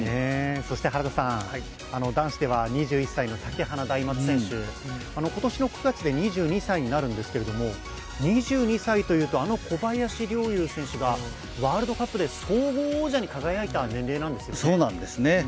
そして男子では２１歳の竹花大松選手、今年の９月で２２歳になるんですけれども２２歳というと、あの小林陵侑選手がワールドカップで総合王者に輝いた年齢なんですよね。